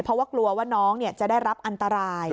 เพราะว่ากลัวว่าน้องจะได้รับอันตราย